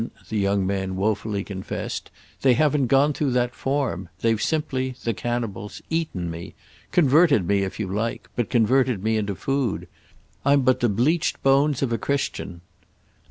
the young man woefully confessed: "they haven't gone through that form. They've simply—the cannibals!—eaten me; converted me if you like, but converted me into food. I'm but the bleached bones of a Christian."